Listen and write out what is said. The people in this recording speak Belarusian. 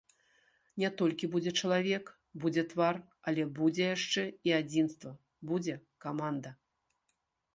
Не толькі будзе чалавек, будзе твар, але будзе яшчэ і адзінства, будзе каманда.